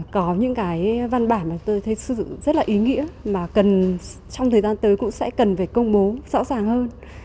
có những cái văn bản mà tôi thấy sử dụng rất là ý nghĩa mà trong thời gian tới cũng sẽ cần phải công bố rõ ràng hơn